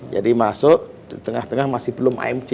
jadi masuk tengah tengah masih belum amc